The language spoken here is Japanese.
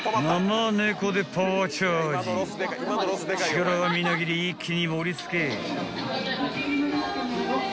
［力がみなぎり一気に盛り付け］